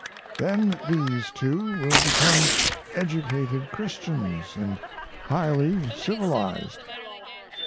Then these two will become educated Christians and highly civilized.